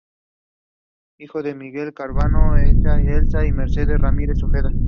Hijo de Miguel Conrado Alvarado Estay y Elsa de Mercedes Ramírez Ojeda.